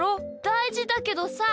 だいじだけどさ。